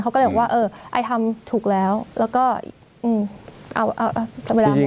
เขาก็เลยบอกว่าเอออายทำถูกแล้วแล้วก็เอาทำไปได้หมด